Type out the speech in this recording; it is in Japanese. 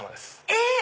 えっ⁉